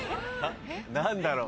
何だろう？